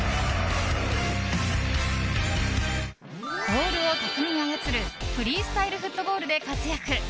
ボールを巧みに操るフリースタイルフットボールで活躍。